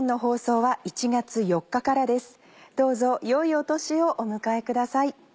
どうぞよいお年をお迎えください。